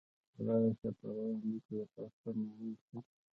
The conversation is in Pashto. راشه پروا نکړي هر څه معاف دي